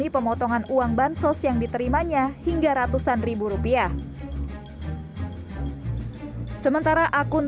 pemotongan uang bansos yang diterimanya hingga ratusan ribu rupiah sementara akun